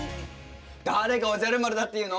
誰がおじゃる丸だっていうの。